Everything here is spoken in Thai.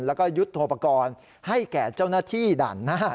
แล้วก็ยุทธโปรกรณ์ให้แก่เจ้าหน้าที่ด่านหน้า